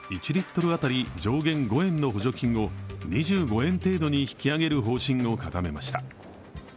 １リットル当たり上限５円の補助金を２５円程度に引き上げる方針を固めました。